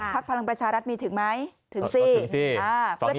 พลังประชารัฐมีถึงไหมถึงสิ